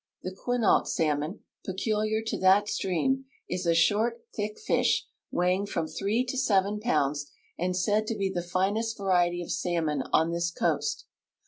The Quinault salmon, peculiar to that stream, is a short, thick fish, weighing from three to seven pounds and said to be the finest variety of salmon on this coast.